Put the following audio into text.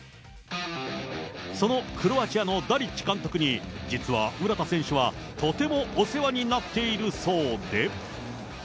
そのクロアチアのダリッチ監督に、実は浦田選手はとてもお世話になってるそうで。